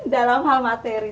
dalam hal materi